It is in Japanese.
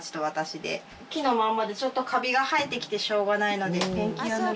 木のまんまでちょっとカビが生えてきてしょうがないので。